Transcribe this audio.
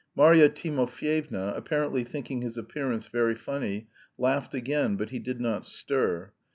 Marya Timofyevna, apparently thinking his appearance very funny, laughed again, but he did not stir.